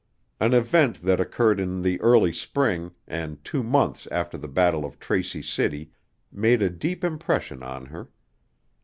An event that occurred in the early spring, and two months after the battle of Tracy City, made a deep impression on her.